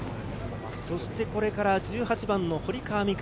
これから１８番の堀川未来